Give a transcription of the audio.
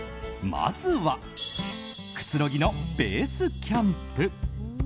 まずはくつろぎのベースキャンプ。